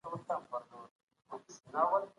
دغسي تحلیلونه د خالي ذهنه اشخاصو د شکمنېدو سبب کيږي!